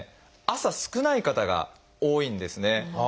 朝少ない方が多いんですね。